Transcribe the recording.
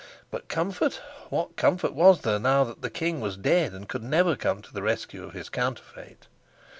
But comfort? What comfort was there, now that the king was dead and could never come to the rescue of his counterfeit?